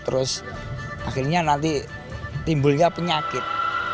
terus akhirnya nanti timbulnya penyakit